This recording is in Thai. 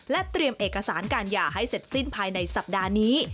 เตรียมเอกสารการหย่าให้เสร็จสิ้นภายในสัปดาห์นี้